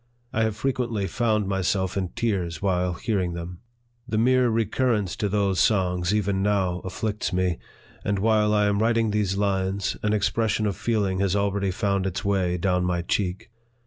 I have frequently found myself in tears while hearing them. The mere re currence to those songs, even now, afflicts me ; and while I am writing these lines, an expression of feeling has already found its way down my cheek.